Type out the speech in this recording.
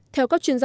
theo các chuyên gia